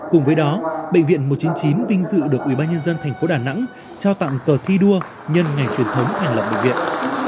cùng với đó bệnh viện một trăm chín mươi chín vinh dự được ubnd tp đà nẵng trao tặng cờ thi đua nhân ngày truyền thống thành lập bệnh viện